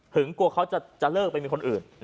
เหง้ว่าเขาจะไปมีคนอื่น